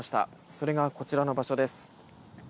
それがこちらの場所です。